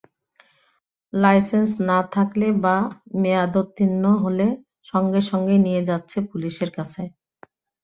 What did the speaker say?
Licence না থাকলে বা মেয়াদোত্তীর্ণ হলে সঙ্গে সঙ্গেই নিয়ে যাচ্ছে পুলিশের কাছে।